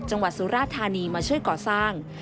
จังหวัดสุราธานีมาช่วยก่อสร้าง